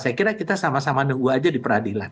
saya kira kita sama sama nunggu aja di peradilan